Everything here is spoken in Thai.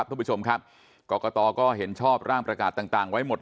ทุกผู้ชมครับกรกตก็เห็นชอบร่างประกาศต่างไว้หมด